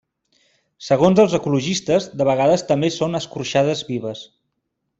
Segons els ecologistes, de vegades també són escorxades vives.